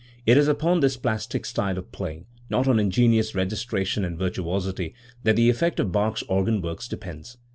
It is upon this plastic style of playing, not on ingenious registration and virtuosity, that the effect of Bach's organ works depends.